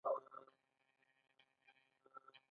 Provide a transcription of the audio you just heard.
دا تر ټولو لویه تېروتنه ده.